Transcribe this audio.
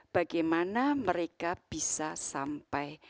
bagaimana mereka bisa sampai